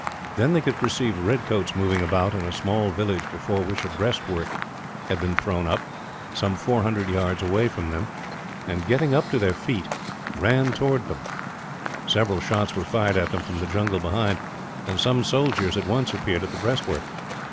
Then they could perceive red coats moving about, in a small village before which a breastwork had been thrown up, some four hundred yards away from them and, getting up to their feet, ran towards it. Several shots were fired at them, from the jungle behind; and some soldiers at once appeared at the breastwork.